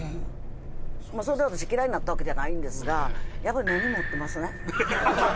それで私嫌いになったわけじゃないんですがやっぱり根に持ってますね。